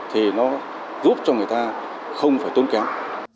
thì nó giúp cho người ta không phải tốn kém